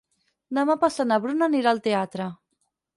Demà passat na Bruna anirà al teatre.